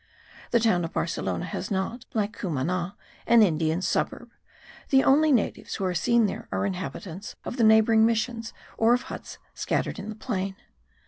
The town of Barcelona has not, like Cumana, an Indian suburb; and the only natives who are seen there are inhabitants of the neighbouring missions or of huts scattered in the plain.